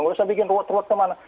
nggak usah bikin ruwet road kemana